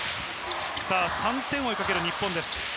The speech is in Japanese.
３点を追いかける日本です。